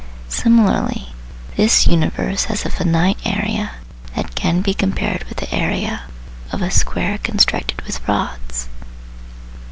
Similarly, this universe has a finite area that can be compared with the area, of a square constructed with rods.